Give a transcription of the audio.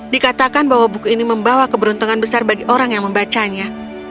dikatakan bahwa buku ini membawa keberuntungan besar bagi orang yang membacanya